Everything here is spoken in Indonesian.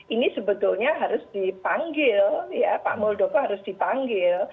ini sebetulnya harus dipanggil ya pak muldoko harus dipanggil